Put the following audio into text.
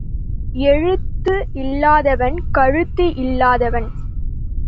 எழுத்து இல்லாதவன் கழுத்து இல்லாதவன்.